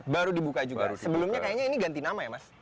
baru dibuka juga sebelumnya kayaknya ini ganti nama ya mas